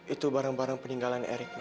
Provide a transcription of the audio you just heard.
itu barang barang peninggalan erik ma